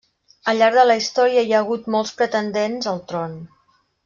Al llarg de la història hi ha hagut molts pretendents al tron.